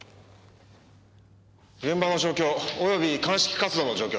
現場の状況および鑑識活動の状況。